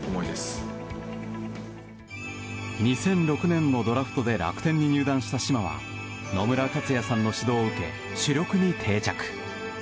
２００６年のドラフトで楽天に入団した嶋は野村克也さんの指導を受け主力に定着。